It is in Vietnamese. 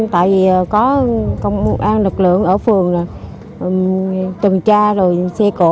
tại vì có công an lực lượng ở phường trần tra rồi xe cộ